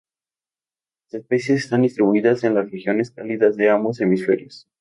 Las especies están distribuidas en las regiones cálidas de ambos hemisferios.